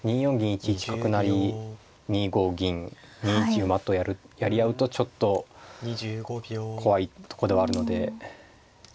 １一角成２五銀２一馬とやり合うとちょっと怖いとこではあるので。